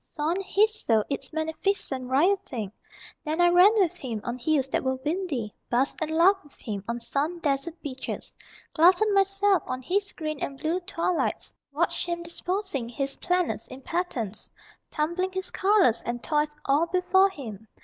Saw in his soul its magnificent rioting Then I ran with him on hills that were windy, Basked and laughed with him on sun dazzled beaches, Glutted myself on his green and blue twilights, Watched him disposing his planets in patterns, Tumbling his colors and toys all before him.